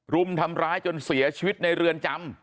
รุมทำร้ายจนเสียชีวิตในเรือนจำ